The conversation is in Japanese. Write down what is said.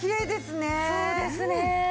そうですね！